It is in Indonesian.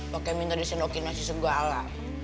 pokoknya minta disendokin nasi segala